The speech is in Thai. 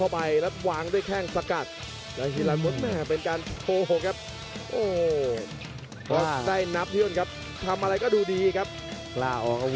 ในช่วงกลางยกเพชรเอกไล่คยมเขาจนทางด้านลุ้มเงินนะครับ